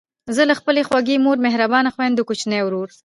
زه له خپلې خوږې مور، مهربانو خویندو، کوچني ورور،